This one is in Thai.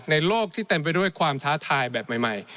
โลกที่เต็มไปด้วยความท้าทายแบบใหม่